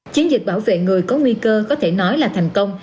chiến dịch bảo vệ người có nguy cơ có thể nói là thành công